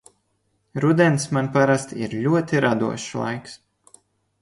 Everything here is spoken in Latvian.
Rudens man parasti ir ļoti radošs laiks.